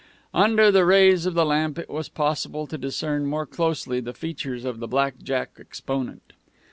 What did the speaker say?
Under the rays of the lamp it was possible to discern more closely the features of the black jack exponent.